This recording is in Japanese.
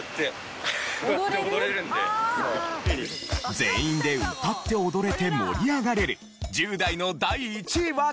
全員で歌って踊れて盛り上がれる１０代の第１位はこちら。